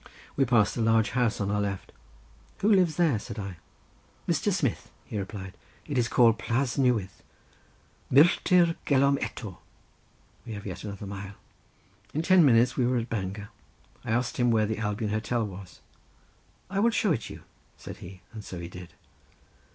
We passed a large house on our left. "Who lives there?" said I. "Mr. Smith," he replied. "It is called Plas Newydd; milltir genom etto—we have yet another mile." In ten minutes we were at Bangor. I asked him where the Albion Hotel was. "I will show it you," said he, and so he did.